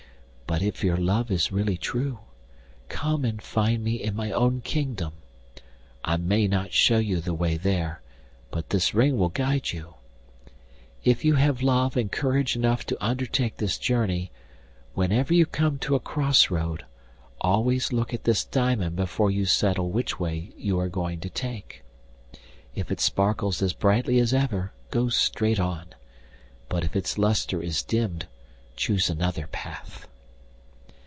But if your love is really true, come and find me in my own kingdom. I may not show you the way there, but this ring will guide you. 'If you have love and courage enough to undertake this journey, whenever you come to a cross road always look at this diamond before you settle which way you are going to take. If it sparkles as brightly as ever go straight on, but if its lustre is dimmed choose another path.